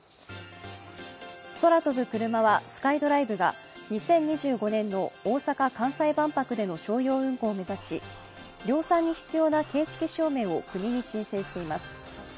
空飛ぶクルマはＳｋｙＤｒｉｖｅが２０２５年の大阪・関西万博での商用運航を目指し量産に必要な型式証明を国に申請しています。